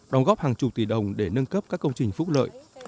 đóng góp hàng chục tỷ đồng để nâng cấp các công trình phúc lợi